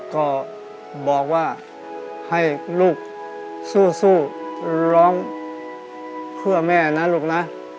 ก็บอกว่าให้ลูกสู้ร้องเพื่อแม่นะลูกนะ